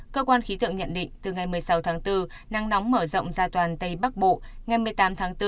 cơ quan khí tượng nhận định từ ngày một mươi sáu tháng bốn nắng nóng mở rộng ra toàn tây bắc bộ ngày một mươi tám tháng bốn